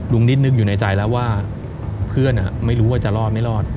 นิดนึงอยู่ในใจแล้วว่าเพื่อนไม่รู้ว่าจะรอดไม่รอด